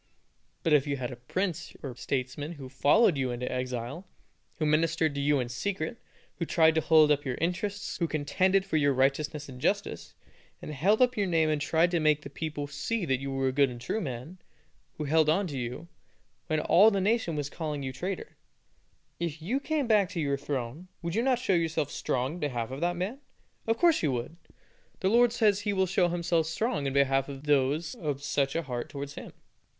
But if you had a prince or statesman who followed you into exile, who ministered to you in secret, who tried to hold up your interests, who contended for your righteousness and justice, and held up your name and tried to make the people see that you were a good and true man, who held on to you, when all the nation was calling you traitor if you came back to your throne, would you not show yourself strong in behalf of that man? Of course you would. The Lord says He will show Himself strong in behalf of those of such a heart towards Him.